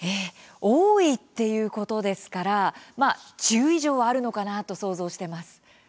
多いっていうことですから１０以上はあるのかなと想像しています。